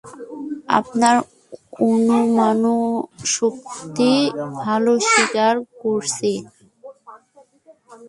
আপনার অনুমানশক্তি ভালো, স্বীকার করছি।